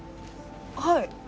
はい